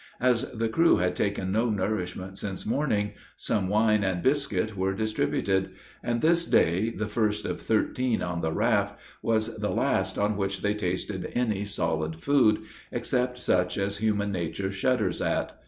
As the crew had taken no nourishment since morning, some wine and biscuit were distributed; and this day, the first of thirteen on the raft, was the last on which they tasted any solid food except such as human nature shudders at.